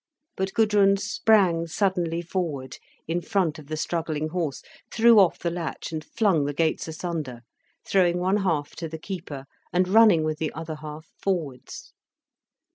But Gudrun sprang suddenly forward, in front of the struggling horse, threw off the latch and flung the gates asunder, throwing one half to the keeper, and running with the other half, forwards.